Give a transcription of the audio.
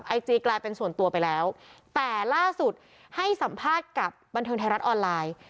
ไอจีกลายเป็นส่วนตัวไปแล้วแต่ล่าสุดให้สัมภาษณ์กับบันเทิงไทยรัฐออนไลน์